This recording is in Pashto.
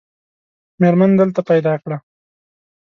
مېرمن دلته پیدا کړه.